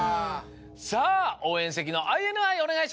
さぁ応援席のＩＮＩお願いします。